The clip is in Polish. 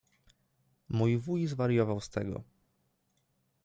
Mój wuj zwariował z tego.